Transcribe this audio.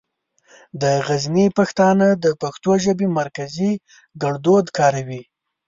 د غزني پښتانه د پښتو ژبې مرکزي ګړدود کاروي.